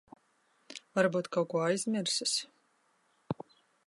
Varbūt kaut ko aizmirsis.